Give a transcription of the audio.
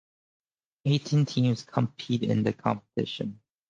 Eighteen teams compete in the competition.